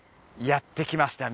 やって来ました